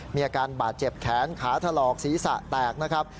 มีอาการบาดเจ็บแขนขาถลอกศีรษะแตกนะครับ